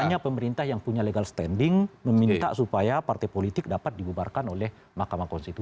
hanya pemerintah yang punya legal standing meminta supaya partai politik dapat dibubarkan oleh mahkamah konstitusi